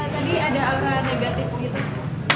tadi ada aura negatif gitu